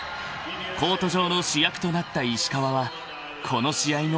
［コート上の主役となった石川はこの試合のＭＶＰに輝いた］